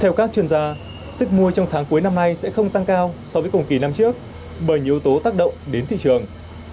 theo các chuyên gia sức mua trong tháng cuối năm nay sẽ không tăng cao so với cùng kỳ năm trước bởi nhiều yếu tố tác động đến thị trường